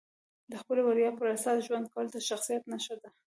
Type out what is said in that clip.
د خپلې ویاړ پر اساس ژوند کول د شخصیت نښه ده.